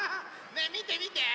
ねえみてみて！